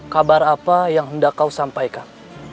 kabar apa yang hendak kau sampaikan